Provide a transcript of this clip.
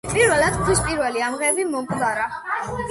პირველად ქვის პირველი ამღები მომკვდარა.